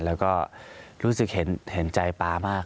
แล้วก็รู้สึกเห็นใจป๊ามาก